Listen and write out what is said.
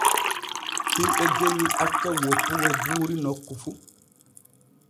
Himɓe genni acca woppugo buuri nokku fu.